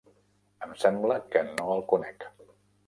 Em sembla que no el conec.